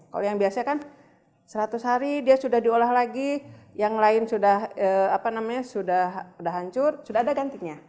kalau yang biasa kan seratus hari dia sudah diolah lagi yang lain sudah hancur sudah ada gantinya